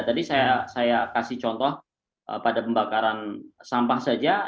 tadi saya kasih contoh pada pembakaran sampah saja